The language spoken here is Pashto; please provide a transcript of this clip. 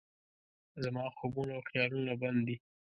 زما خوبونه او خیالونه بند دي